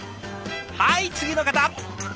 はい次の方！